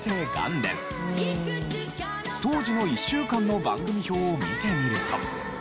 当時の１週間の番組表を見てみると。